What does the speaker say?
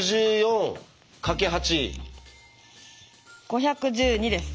５１２です。